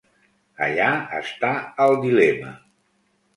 Allà està el dilema.